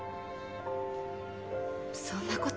そんなこと。